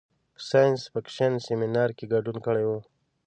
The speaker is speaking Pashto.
په ساینس فکشن سیمنار کې ګډون کړی و.